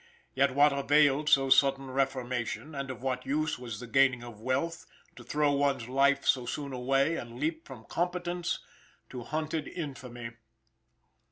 Yet what availed so sudden reformation, and of what use was the gaining of wealth, to throw one's life so soon away, and leap from competence to hunted infamy.